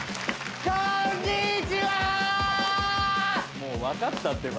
もう分かったってば。